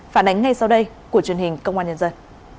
phản ánh ngay sau đây của truyền hình công an nhân dân